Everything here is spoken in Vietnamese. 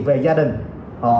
về gia đình